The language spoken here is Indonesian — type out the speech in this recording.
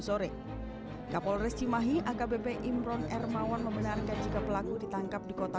sore kapolres cimahi akbp imron ermawan membenarkan jika pelaku ditangkap di kota